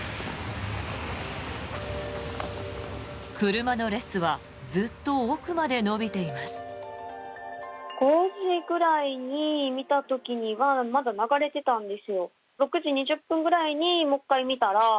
車の列はずっと奥まで延びています。